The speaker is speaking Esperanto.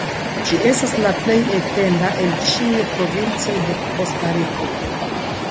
Ĝi estas la plej etenda el ĉiuj provincoj de Kostariko.